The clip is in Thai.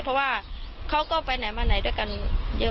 เพราะไม่เคยถามลูกสาวนะว่าไปทำธุรกิจแบบไหนอะไรยังไง